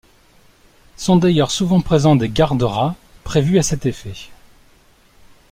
Sont d’ailleurs souvent présent des garde-rats, prévus à cet effet.